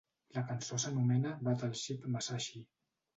La cançó s'anomena Battleship Musashi.